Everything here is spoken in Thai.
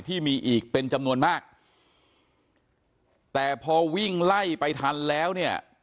ที่มีอีกเป็นจำนวนมากแต่พอวิ่งไล่ไปทันแล้วเนี่ย